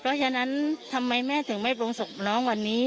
เพราะฉะนั้นทำไมแม่ถึงไม่ปรุงศพน้องวันนี้